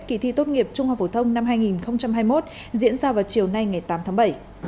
kỳ thi tốt nghiệp trung học phổ thông năm hai nghìn hai mươi một diễn ra vào chiều nay ngày tám tháng bảy